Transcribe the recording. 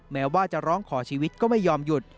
แม้ว่าจะร้องขอชีวิตก็ไม่ยอมหยุด